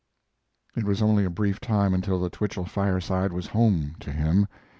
It was only a brief time until the Twichell fireside was home to him.